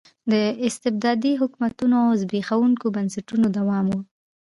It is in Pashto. د استبدادي حکومتونو او زبېښونکو بنسټونو دوام و.